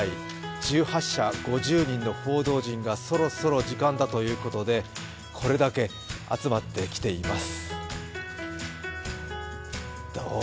１８社５０人の報道陣がそろそろ時間だということでこれだけ集まってきています。